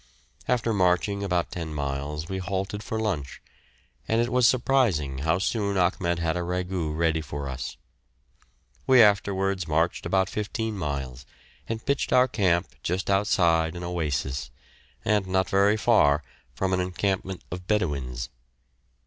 After marching about ten miles we halted for lunch, and it was surprising how soon Achmed had a ragout ready for us. We afterwards marched about fifteen miles, and pitched our camp just outside an oasis, and not very far from an encampment of Bedouins.